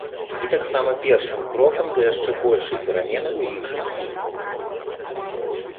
І таксама першым крокам да яшчэ большай перамены ў іх жыцці.